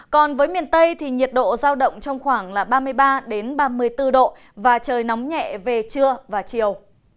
còn với miền tây thì nhiệt độ giao động trong khoảng ba mươi ba ba mươi bốn độ và trời nóng nhẹ về trưa và chiều